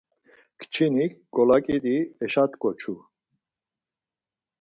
Kçinik ǩolaǩidi eşat̆ǩoçu.